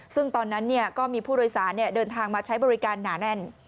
ซึ่งตอนนั้นก็มีผู้โดยสารเดินทางมาใช้บริการหนาแน่น